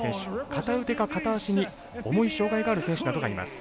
片腕か片足に重い障がいがある選手などがいます。